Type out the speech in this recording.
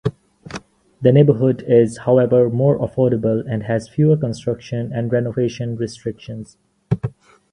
The neighborhood is however more affordable and has fewer construction and renovation restrictions.